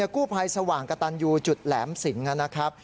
กู้ภัยสว่างกระตันยูจุดแหลมสิงนะครับ